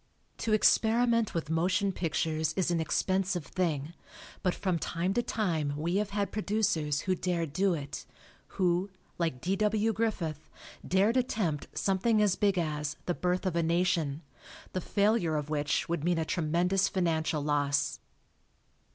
To experiment with motion pictures is an expensive thing, but from time to time we have had producers who dared do it; who, like D. W. Griffith, dared attempt something as big as "The Birth of a Nation," the failure of which would mean a tremendous financial loss.